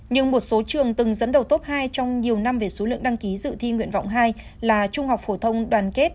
nhưng một số trường từng dẫn đầu top hai trong nhiều năm về số lượng đăng ký dự thi nguyện vọng hai là trung học phổ thông đoàn kết